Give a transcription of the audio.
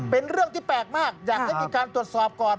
เป็นเรื่องที่แปลกมากอยากให้มีการตรวจสอบก่อน